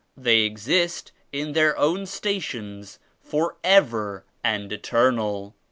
They exist in their own sta tions forever and eternal."